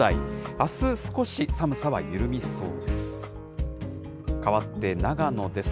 あす、少し寒さは緩みそうです。